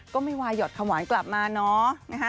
ก็ไม่วายหอดคำหวานกลับมาเนาะ